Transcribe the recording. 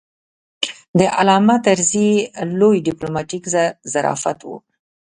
د علامه طرزي لوی ډیپلوماتیک ظرافت و.